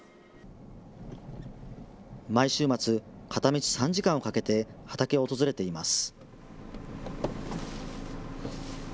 毎週末、片道３時間かけて畑を訪れています。